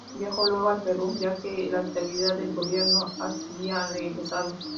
Viajo luego al Perú, ya que la estabilidad del gobierno había regresado.